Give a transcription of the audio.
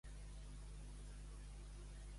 Tinguem o no diners, tots naixem nuets.